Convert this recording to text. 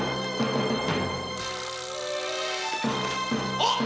あっ！